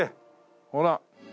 ほら！